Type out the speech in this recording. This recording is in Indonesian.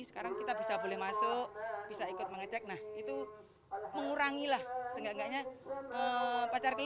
sekarang kita bisa boleh masuk bisa ikut mengecek nah itu mengurangi lah seenggak enggaknya pacar keling